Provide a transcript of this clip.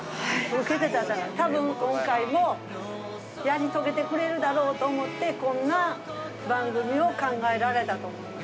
たぶん今回もやり遂げてくれるだろうと思って、こんな番組を考えられたと思います。